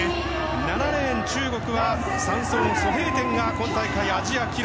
７レーン、中国は３走に、ソ・ヘイテンが今大会アジア記録。